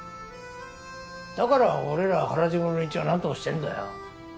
だから俺ら原宿の連中がなんとかしてんだよ。